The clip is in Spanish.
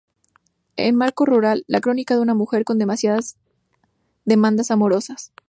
En marco rural, la crónica de una mujer con demasiadas demandas amorosas.